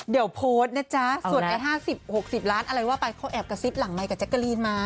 เดี๋ยวโพสต์นะจ๊ะส่วนไอ้๕๐๖๐ล้านอะไรว่าไปเขาแอบกระซิบหลังไมค์กับแจ๊กกะลีนมา